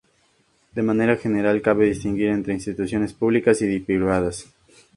De manera general cabe distinguir entre instituciones públicas y privadas.